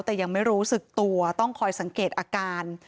แต่ยังไม่รู้สึกตัวต้องคอยสังเกตอาการ